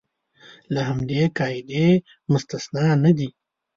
له همدې قاعدې مستثنی نه دي.